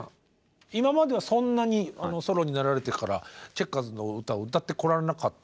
今まではそんなにソロになられてからチェッカーズの歌を歌ってこられなかったと聞いてますよ。